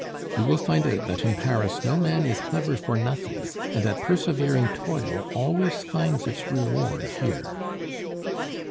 "You will find out that in Paris no man is clever for nothing, and that persevering toil always finds its reward here."